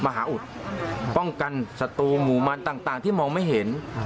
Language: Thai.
มหาอุดป้องกันศัตรูหมู่มันต่างที่มองไม่เห็น